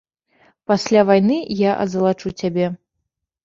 Пасля вайны я азалачу цябе.